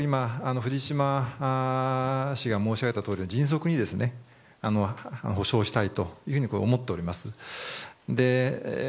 藤島氏が申しあげたとおり迅速に補償したいと思っております。